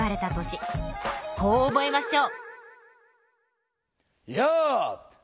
こう覚えましょう。